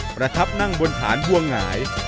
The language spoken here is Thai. ประทับนั่งบนฐานว่างหาย